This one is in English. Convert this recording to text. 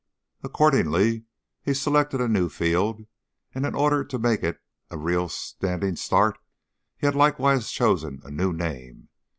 Accordingly, he had selected a new field, and, in order to make it a real standing start, he had likewise chosen a new name.